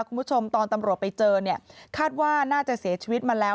คุณผู้ชมตอนตำรวจไปเจอเนี่ยคาดว่าน่าจะเสียชีวิตมาแล้ว